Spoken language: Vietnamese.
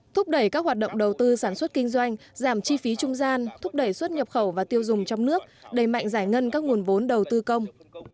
thúc đẩy các hoạt động đầu tư sản xuất kinh doanh giảm chi phí trung gian thúc đẩy xuất nhập khẩu và tiêu dùng trong nước đầy mạnh giải ngân các nguồn vốn đầu tư công